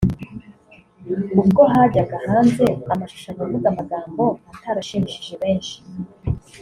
ubwo hajyaga hanze amashusho avuga amagambo atarashimishije benshi